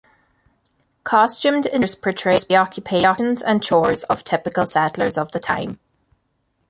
Costumed interpreters portray the occupations and chores of typical settlers of the time.